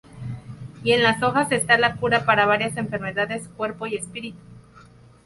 Y en las hojas está la cura para varias enfermedades, cuerpo y espíritu.